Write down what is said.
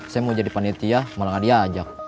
saya mau jadi panitia malah gak diajak